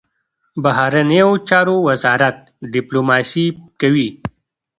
بهرنیو چارو وزارت ډیپلوماسي کوي